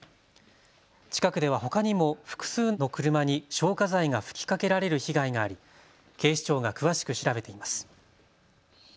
近くではほかにも複数の車に消火剤が吹きかけられる被害があり警視庁が詳しく調べています。